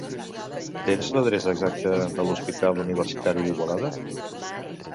Tens l'adreça exacta de l'Hospital Universitari d'Igualada?